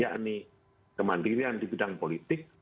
ya ini kemandirian di bidang politik